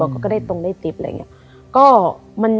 ก็ได้ตรงได้ติด